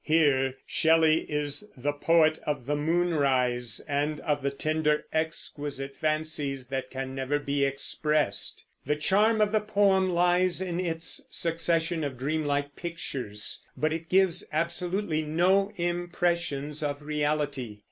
Here Shelley is the poet of the moonrise, and of the tender exquisite fancies that can never be expressed. The charm of the poem lies in its succession of dreamlike pictures; but it gives absolutely no impressions of reality.